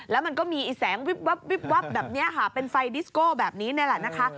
แล้วมันก็มีแสงวิบวับวิบวับแบบนี้ค่ะเป็นไฟดิสโก้แบบนี้นี่แหละนะคะ